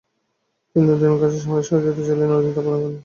তিনি নুরউদ্দিনের কাছে সামরিক সহযোগিতা চাইলে নুরউদ্দিন তা প্রদান করেন।